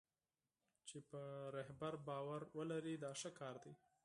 چې په رهبر باور ولري دا ښه کار دی.